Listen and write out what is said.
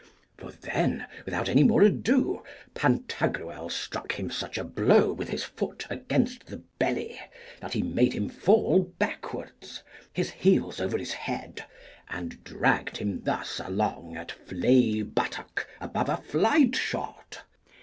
For then, without any more ado, Pantagruel struck him such a blow with his foot against the belly that he made him fall backwards, his heels over his head, and dragged him thus along at flay buttock above a flight shot.